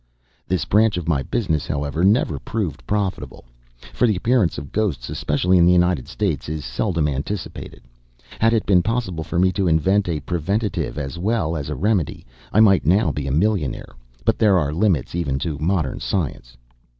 This branch of my business, however, never proved profitable, for the appearance of ghosts, especially in the United States, is seldom anticipated. Had it been possible for me to invent a preventive as well as a remedy, I might now be a millionaire; but there are limits even to modern science.